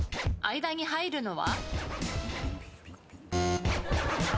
間に入るのは？